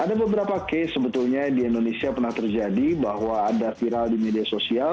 ada beberapa case sebetulnya di indonesia pernah terjadi bahwa ada viral di media sosial